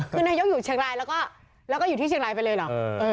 คือนายกอยู่เชียงรายแล้วก็อยู่ที่เชียงรายไปเลยเหรอ